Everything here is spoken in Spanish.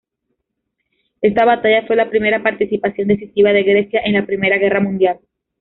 Esta batalla fue la primera participación decisiva de Grecia en la Primera Guerra Mundial.